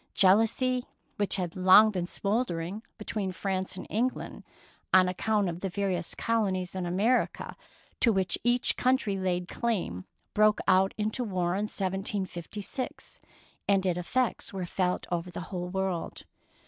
Jealousy, which had long been smouldering be tween France and England on account of the various colonies in America to which each country laid claim, broke out into war in 1756, and its effects were felt over the whole world.